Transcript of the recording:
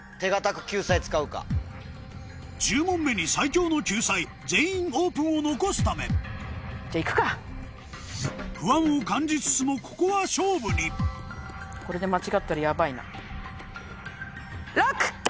１０問目に最強の救済「全員オープン」を残すため不安を感じつつもここは勝負にＬＯＣＫ！